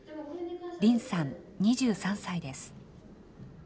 りんさん２３歳です。